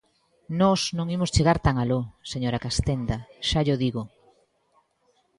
Nós non imos chegar tan aló, señora Castenda, xa llo digo.